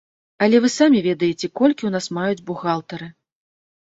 Але вы самі ведаеце, колькі ў нас маюць бухгалтары.